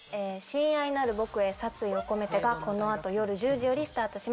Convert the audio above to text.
『親愛なる僕へ殺意をこめて』がこの後夜１０時よりスタートします。